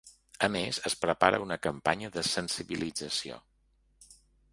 A més, es prepara una campanya de sensibilització.